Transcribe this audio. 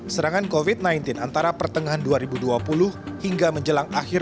serangan covid sembilan belas antara pertengahan dua ribu dua puluh hingga menjelang akhir dua ribu dua puluh satu